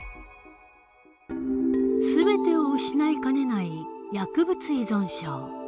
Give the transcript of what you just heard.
全てを失いかねない薬物依存症。